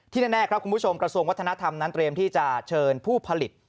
แน่ครับคุณผู้ชมกระทรวงวัฒนธรรมนั้นเตรียมที่จะเชิญผู้ผลิต